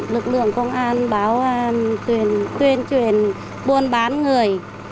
lực lượng công an tuyên truyền buôn bán người